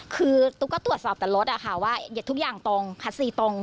คือตุ๊กก็ตรวจสอบแต่รถอะค่ะว่าทุกอย่างตรงคัดซีตรง